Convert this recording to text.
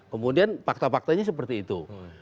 kemudian fakta faktanya seperti itu